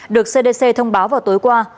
được cdc thông báo vào tối qua